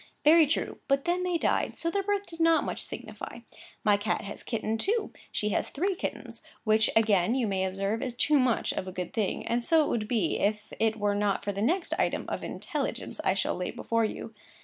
Very true: but then they died; so their birth did not much signify. My cat has kittened, too; she has had three kittens, which again you may observe is too much of a good thing; and so it would be, if it were not for the next item of intelligence I shall lay before you.